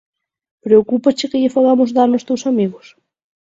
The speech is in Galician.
Preocúpache que lle fagamos dano aos teus amigos?